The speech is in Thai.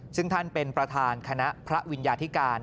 ซึ่งท่านเป็นประธานคณะพระวิญญาธิการ